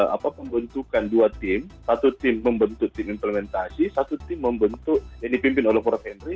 apa pembentukan dua tim satu tim membentuk tim implementasi satu tim membentuk yang dipimpin oleh prof henry